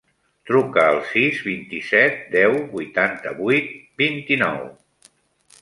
Truca al sis, vint-i-set, deu, vuitanta-vuit, vint-i-nou.